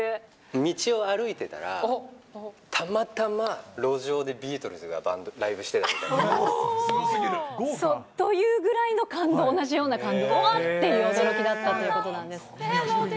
道を歩いてたら、たまたま路上でビートルズがライブしてたみたいな。というぐらいの感動、同じような感動っていう、驚きだったということですね。